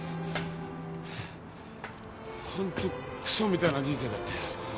ホントクソみたいな人生だったよ。